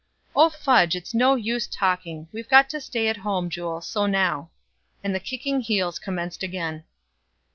Oh, fudge! it's no use talking, we've got to stay at home, Jule, so now." And the kicking heels commenced again.